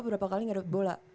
berapa kali gak dapet bola